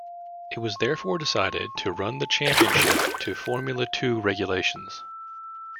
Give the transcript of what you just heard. It was therefore decided to run the Championship to Formula Two regulations.